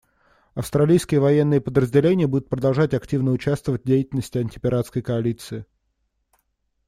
Австралийские военные подразделения будут продолжать активно участвовать в деятельности антипиратской коалиции.